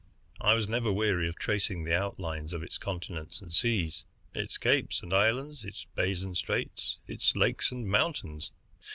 I was never weary of tracing the outlines of its continents and seas, its capes and islands, its bays and straits, its lakes and mountains.